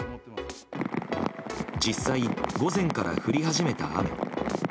実際、午前から降り始めた雨。